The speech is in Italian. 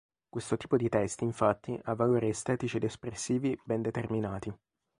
Questo tipo di testi, infatti, ha valori estetici ed espressivi ben determinati.